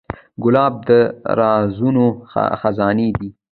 ګلاب د رازونو خزانې ده.